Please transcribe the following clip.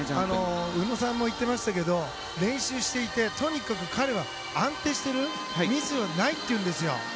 宇野さんも言っていましたが、練習していてとにかく彼は安定しているミスがないと。